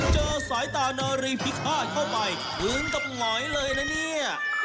เจอสายตานารีพิฆาตเข้าไปถึงกับหงอยเลยนะเนี่ย